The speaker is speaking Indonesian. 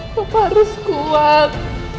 papa harus kuat